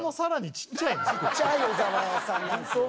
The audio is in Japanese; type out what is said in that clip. ちっちゃい小沢さんなんす